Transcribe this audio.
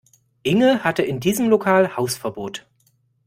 Inge hatte in diesem Lokal Hausverbot